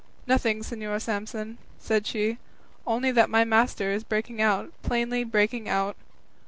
"Nothing, Señor Samson," said she, "only that my master is breaking out, plainly breaking out."